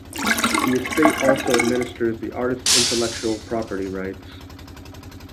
The Estate also administers the artist's intellectual property rights.